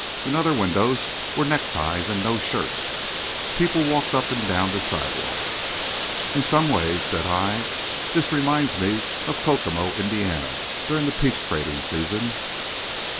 In other windows were neckties and no shirts. People walked up and down the sidewalks. "In some ways," said I, "this reminds me of Kokomono, Ind., during the peach crating season."